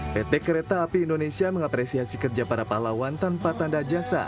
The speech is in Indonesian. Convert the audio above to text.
pt kereta api indonesia mengapresiasi kerja para pahlawan tanpa tanda jasa